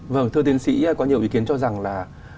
vâng thưa tiến sĩ có nhiều ý kiến cho rằng là